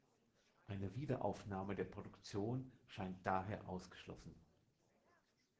Eine Wiederaufnahme der Produktion scheint daher ausgeschlossen.